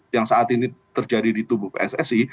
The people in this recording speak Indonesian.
yang saat ini terjadi di tubuh pssi